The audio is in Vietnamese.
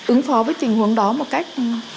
ứng phó với tình huống đó một cách